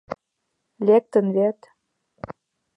Лектын вет...